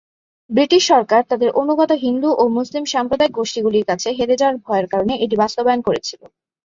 British সরকার তাদের অনুগত হিন্দু ও মুসলিম সাম্প্রদায়িক গোষ্ঠীগুলির কাছে হেরে যাওয়ার ভয়ের কারণে এটি বাস্তবায়ন করেছিল।